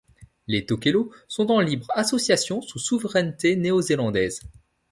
Les Tokelau sont en libre association sous souveraineté néo-zélandaise.